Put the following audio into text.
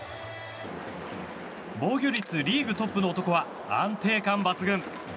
防御率リーグトップの男は安定感抜群。